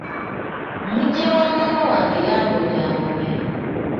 Muggya wamaama wange yambonyaabonya.